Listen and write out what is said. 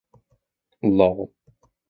Lol!